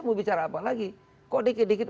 mau bicara apa lagi kok dikit dikit